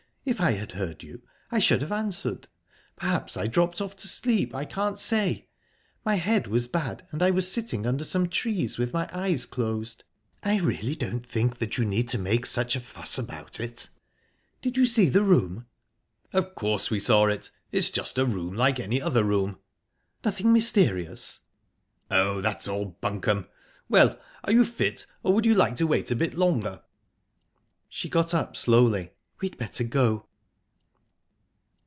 If I had heard you, I should have answered. Perhaps I dropped off to sleep I can't say. My head was bad, and I was sitting under some trees, with my eyes closed. I really don't think that you need make such a fuss about it...Did you see the room?" "Of course we saw it. It's just a room like any other room." "Nothing mysterious?" "Oh, that's all bunkum!...Well are you fit, or would you like to wait a bit longer?" She got up slowly. "We'd better go."